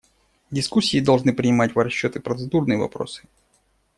Дискуссии должны принимать в расчет и процедурные вопросы.